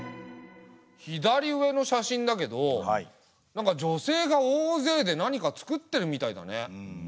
左上の写真だけどなんか女性が大勢で何かつくってるみたいだね。